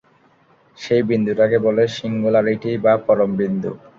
সেই বিন্দুটাকে বলে সিঙ্গুলারিটি বা পরম বিন্দু।